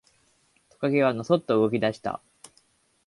トカゲはのそっと動き出した。